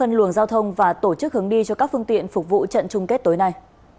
phân luồng giao thông và tổ chức hướng đi cho các phương tiện phục vụ trận chung kết tối nay